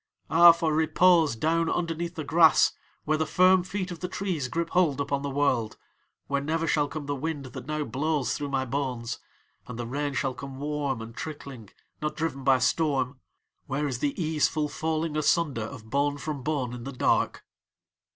Ah, for repose down underneath the grass, where the firm feet of the trees grip hold upon the world, where never shall come the wind that now blows through my bones, and the rain shall come warm and trickling, not driven by storm, where is the easeful falling asunder of bone from bone in the dark."